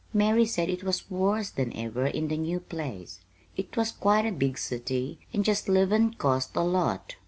Mary said it was worse than ever in the new place. It was quite a big city and just livin' cost a lot.